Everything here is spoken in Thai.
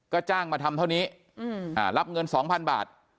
ก็จ้างมาทำเท่านี้รับเงิน๒๐๐๐บาท